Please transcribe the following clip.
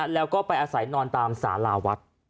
แล้วก็ไปอาศัยนอนตามสาราวัด